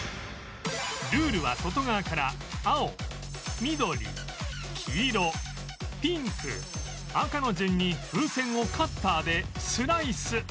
ルールは外側から青緑黄色ピンク赤の順に風船をカッターでスライス